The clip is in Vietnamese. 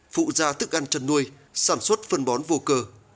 phụ gia thức ăn chăn nuôi sản xuất phân bón vô cơ